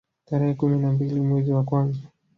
Tarehe kumi na mbili mwezi wa kwanza